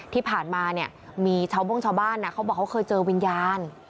ที่ผ่านมาเนี่ยมีชาวบ้งชาวบ้านเขาบอกเขาเคยเจอวิญญาณ